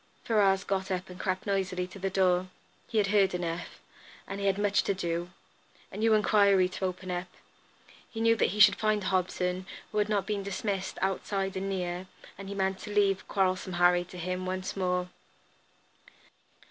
Ferrars got up and crept noiselessly to the door. He had heard enough, and he had much to do. A new enquiry to open up. He knew that he should find Hobson, who had not been dismissed, outside and near, and he meant to leave "Quarrelsome Harry" to him once more.